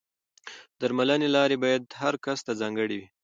د درملنې لارې باید هر کس ته ځانګړې وي.